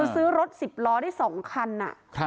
ซื้อรถสิบล้อได้สองคัน